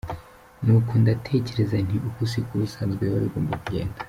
Nuko ndatekereza nti, uku si ko ubusanzwe biba bigomba kugenda.